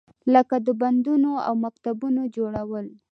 لکه د بندونو او مکتبونو جوړول.